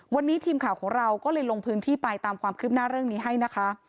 วันนี้ทีมข่าวของเราก็เลยลงพื้นที่ไปตามความคืบหน้าเรื่องนี้ให้นะคะ